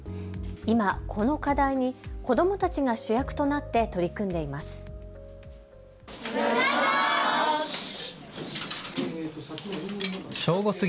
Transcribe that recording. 今、この課題に子どもたちが主役となって取り組んでいます。